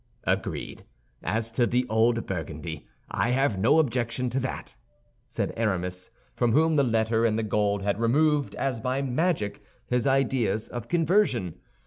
"Agreed, as to the old Burgundy; I have no objection to that," said Aramis, from whom the letter and the gold had removed, as by magic, his ideas of conversion.